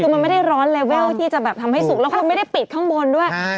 คือมันไม่ได้ร้อนเลเวลที่จะแบบทำให้สุกแล้วคุณไม่ได้ปิดข้างบนด้วย